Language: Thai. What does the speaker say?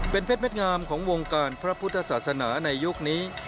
เป็นเพชรเม็ดงามของวงการพระพุทธศาสนาในยุคนี้